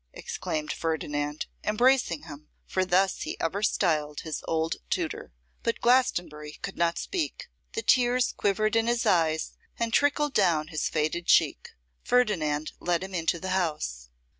exclaimed Ferdinand, embracing him, for thus he ever styled his old tutor. But Glastonbury could not speak; the tears quivered in his eyes and trickled down his faded cheek. Ferdinand led him into the house.